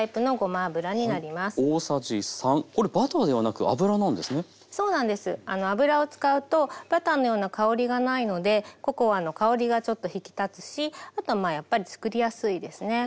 油を使うとバターのような香りがないのでココアの香りがちょっと引き立つしあとはまあやっぱりつくりやすいですね。